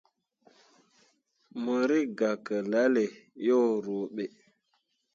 Mo rǝkʼgah ke lalle yo ruuɓe.